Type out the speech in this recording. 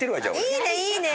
いいねいいね。